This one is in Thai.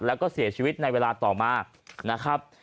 แล้วก็เสียชีวิตในเวลาต่อมานะครับ